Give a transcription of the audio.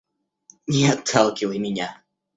Не отталкивай меня.